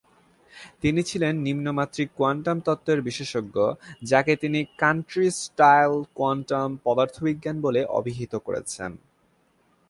তিনি ছিলেন নিম্ন-মাত্রিক কোয়ান্টাম তত্ত্ব এর বিশেষজ্ঞ, যাকে তিনি "কান্ট্রি-স্টাইল কোয়ান্টাম পদার্থবিজ্ঞান" বলে অভিহিত করেছেন।